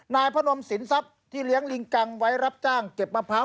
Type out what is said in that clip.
นายพนมสินทรัพย์ที่เลี้ยงลิงกังไว้รับจ้างเก็บมะพร้าว